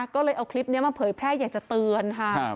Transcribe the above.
ก็เลยเอาคลิปนี้มาเผยแพร่อยากจะเตือนค่ะ